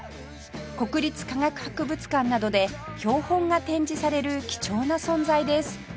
国立科学博物館などで標本が展示される貴重な存在です